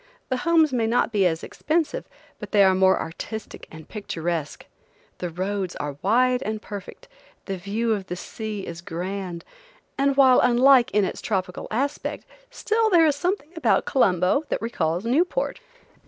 The homes may not be as expensive, but they are more artistic and picturesque. The roads are wide and perfect; the view of the sea is grand, and while unlike in its tropical aspect, still there is something about Colombo that recalls Newport.